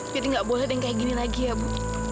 jadi nggak boleh dengan kayak gini lagi ya bu